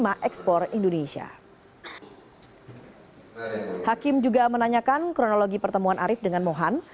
hakim juga menanyakan kronologi pertemuan arief dengan mohan